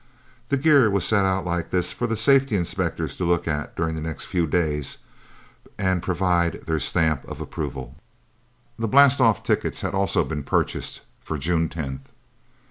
The gear was set out like this, for the safety inspectors to look at during the next few days, and provide their stamp of approval. The blastoff tickets had also been purchased for June tenth.